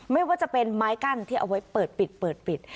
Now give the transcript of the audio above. ไม่ว่าจะเป็นไม้กั้นที่เอาไว้เปิดปิดเปิดปิด